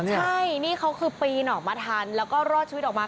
ใช่นี่เขาคือปีนออกมาทันแล้วก็รอดชีวิตออกมา